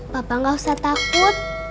bapak gak usah takut